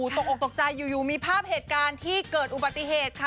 ตกออกตกใจอยู่มีภาพเหตุการณ์ที่เกิดอุบัติเหตุค่ะ